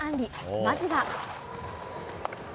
まずは。